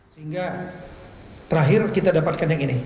sehingga terakhir kita dapatkan yang ini